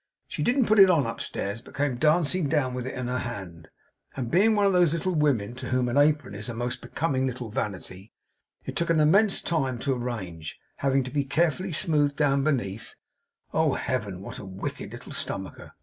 She didn't put it on upstairs, but came dancing down with it in her hand; and being one of those little women to whom an apron is a most becoming little vanity, it took an immense time to arrange; having to be carefully smoothed down beneath Oh, heaven, what a wicked little stomacher!